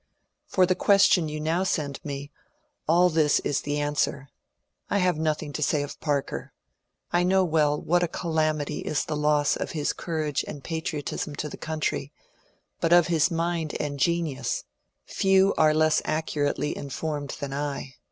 *< For the question you now send me, aU this is the answer. I have nothing to say of Parker. I know well what a calamity is the loss of his courage and patriotism to the country ; but of his mind and genius, few are less accurately informed than I.